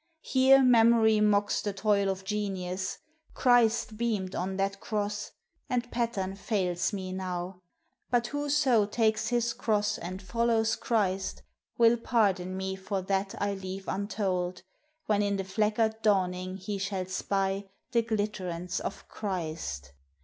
Here memory mocks the toil of genius. Christ Beamed on that cross; and pattern fails me now. But whoso takes his cross, and follows Christ, Will pardon me for that I leave untold, When in the fleckered dawning he shall spy The glitterance of Christ.